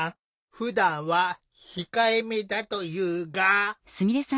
ふだんは控えめだというが。